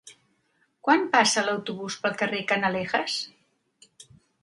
Quan passa l'autobús pel carrer Canalejas?